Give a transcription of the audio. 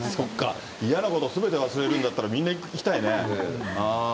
嫌なこと、すべて忘れられるんだったら、みんな行きたいね。